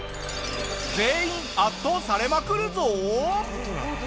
全員圧倒されまくるぞ！